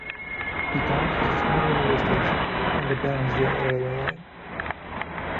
The town has its own railway station on the Bairnsdale railway line.